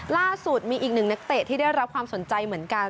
ล่าสุดมีอีกหนึ่งนักเตะที่ได้รับความสนใจเหมือนกัน